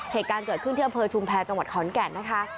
เหตุการณ์เกิดขึ้นที่อำเภอชุมแพรจังหวัดขอนแก่นนะคะ